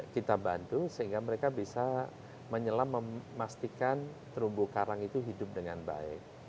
kita bantu sehingga mereka bisa menyelam memastikan terumbu karang itu hidup dengan baik